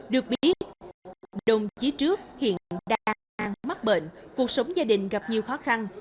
được biết đồng chí trước hiện đang mắc bệnh cuộc sống gia đình gặp nhiều khó khăn